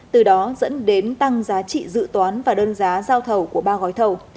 từ đó dẫn đến tăng giá trị dự toán và đơn giá giao thầu của ba gói thầu